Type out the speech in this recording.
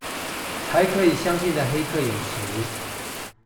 還可以相信的黑客有誰？